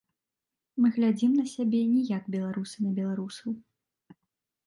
Мы глядзім на сябе не як беларусы на беларусаў.